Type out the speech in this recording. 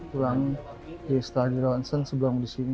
pulang setelah di ronsen sebelum di sini